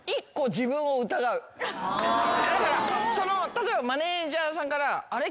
例えばマネジャーさんからあれ？